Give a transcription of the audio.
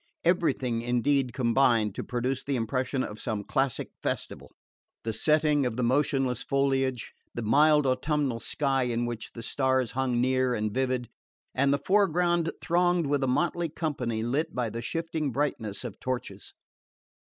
Everything indeed combined to produce the impression of some classic festival: the setting of motionless foliage, the mild autumnal sky in which the stars hung near and vivid, and the foreground thronged with a motley company lit by the shifting brightness of torches.